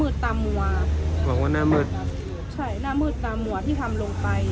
ตามมัวบอกว่าหน้ามืดใช่หน้ามืดตามมัวที่ทำลงไป